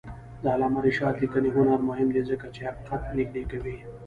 د علامه رشاد لیکنی هنر مهم دی ځکه چې حقیقت نږدې کوي.